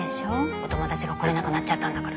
お友達が来れなくなっちゃったんだから。